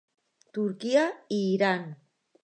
Turquia i Iran.